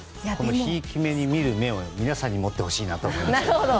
ひいき目に見る目を皆さんに持ってほしいなと思います。